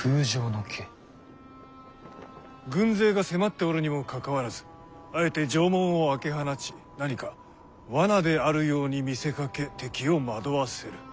軍勢が迫っておるにもかかわらずあえて城門を開け放ち何か罠であるように見せかけ敵を惑わせる。